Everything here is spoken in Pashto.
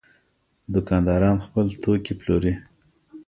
دوکانداران خپل توکي پلوري.